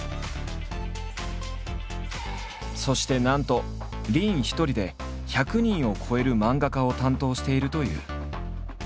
そしてなんと林一人で１００人を超える漫画家を担当しているという。